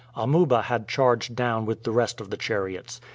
Amuba had charged down with the rest of the chariots.